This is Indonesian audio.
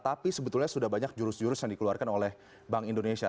tapi sebetulnya sudah banyak jurus jurus yang dikeluarkan oleh bank indonesia